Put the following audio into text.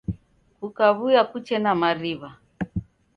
Kukuaw'uya kuche na mariw'a